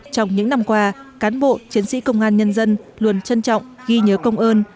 trong những năm qua cán bộ chiến sĩ công an nhân dân luôn trân trọng ghi nhớ công ơn